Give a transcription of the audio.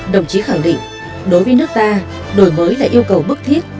đồng chí khẳng định đối với nước ta đổi mới là yêu cầu bức thiết